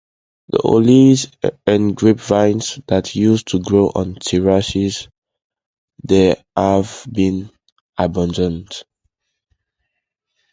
The olives and grapevines that used to grow on terraces there have been abandoned.